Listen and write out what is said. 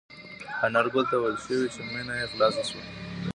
انارګل ته وویل شول چې مېنه یې خلاصه شوه.